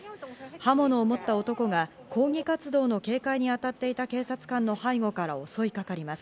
刃物を持った男が抗議活動の警戒にあたっていた警察官の背後から襲いかかります。